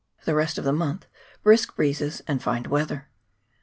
The rest of the month brisk breezes and fine weather.